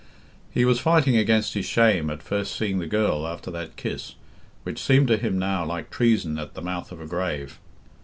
He was fighting against his shame at first seeing the girl after that kiss, which seemed to him now like treason at the mouth of a grave.